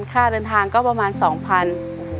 ค่าเดินทางก็ประมาณ๒๐๐บาท